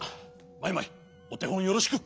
マイマイおてほんよろしく。